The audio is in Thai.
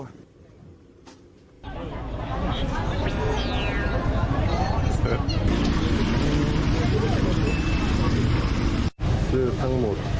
หรือทั้งหมด๒๓